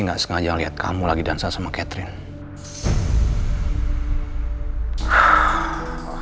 desi gak sengaja liat kamu lagi dansa sama catherine